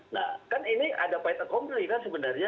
nah kan ini ada patent complaint kan sebenarnya